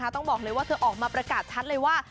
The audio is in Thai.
ต้องบอกเลยว่าเธอออกมาประกาศชัดเลยว่า